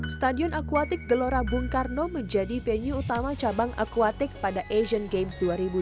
stadion akuatik gelora bung karno menjadi venue utama cabang akuatik pada asian games dua ribu delapan belas